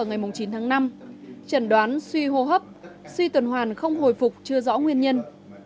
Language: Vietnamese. vào ngày chín tháng năm trần đoán suy hô hấp suy tuần hoàn không hồi phục chưa rõ nguyên nhân